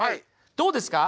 どうですか？